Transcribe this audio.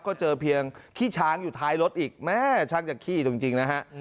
ก็เจอเพียงขี้ช้างอยู่ท้ายรถอีกแม่ช่างจะขี้จริงนะฮะ